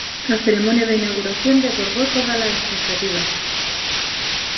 La ceremonia de inauguración desbordó todas las expectativas.